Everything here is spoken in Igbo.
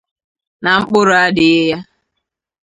na mkpụrụ adịghị ya